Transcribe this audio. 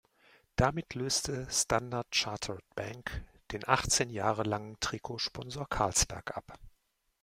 Damit löste Standard Chartered Bank den achtzehn Jahre langen Trikotsponsor Carlsberg ab.